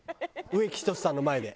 植木等さんの前で。